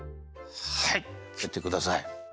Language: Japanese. はいきってください。